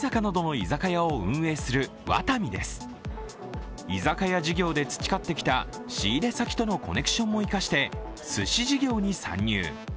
居酒屋事業で培ってきた仕入れ先とのコネクションも生かしてすし事業に参入。